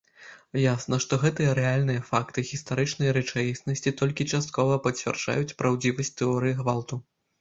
Ясна, што гэтыя рэальныя факты гістарычнай рэчаіснасці толькі часткова пацвярджаюць праўдзівасць тэорыі гвалту.